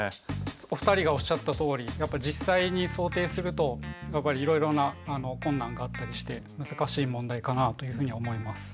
お二人がおっしゃったとおりやっぱり実際に想定するといろいろな困難があったりして難しい問題かなというふうに思います。